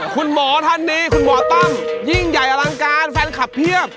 คุณหมอท่านนี้คุณหมอต้องยิ่งใหญ่อลังการแฟนคลับเพียบ